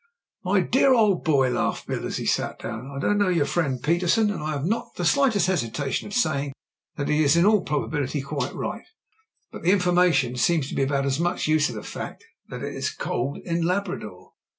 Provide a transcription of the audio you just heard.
"My dear old boy," laughed Bill, as he sat down. "I don't know your friend Petersen, and I have not the slightest hesitation in saying that he is in all proba bility quite right But the information seems to be about as much use as the fact that it is cold in Lab rador."